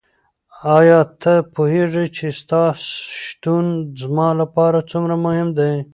ایا ته پوهېږې چې ستا شتون زما لپاره څومره مهم دی؟